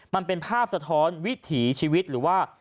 มันเป็นภาพสะท้อนวิถีชีวิตหรือว่า